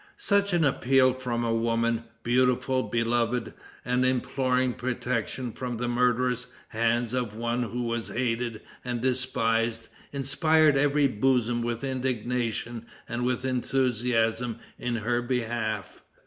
Such an appeal from a woman, beautiful, beloved and imploring protection from the murderous hands of one who was hated and despised, inspired every bosom with indignation and with enthusiasm in her behalf.